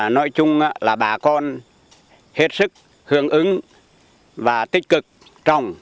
nói chung là bà con hết sức hướng ứng và tích cực trong